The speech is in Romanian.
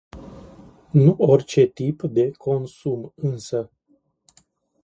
Nu orice tip de consum, însă.